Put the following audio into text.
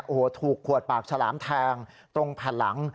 โอ้โหถูกขวดปากฉลามแทงตรงแผ่นหลัง